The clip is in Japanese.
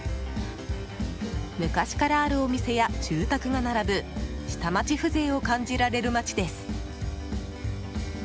昔からあるお店や住宅が並ぶ下町風情を感じられる街です。